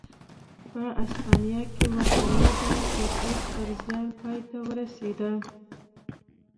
په هسپانیا کې ورته لوبه کورتس پر زیان پای ته ورسېده.